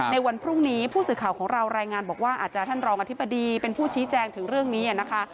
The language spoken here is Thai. ในวันพรุ่งนี้ผู้สื่อข่าวของเรารายงานบอกว่าอาจจะท่านรองอธิบดีเป็นผู้ชี้แจงถึงเรื่องนี้นะคะ